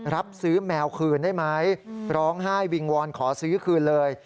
รับซื้อแมวคืนได้ไหมร้องไห้วิงวอนขอซื้อคืนเลย